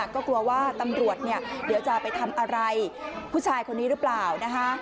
ก็กลัวว่าตำรวจเนี่ยเดี๋ยวจะไปทำอะไรผู้ชายคนนี้หรือเปล่านะคะ